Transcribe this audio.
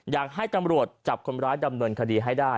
อยากให้ตำรวจจับคนร้ายดำเนินคดีให้ได้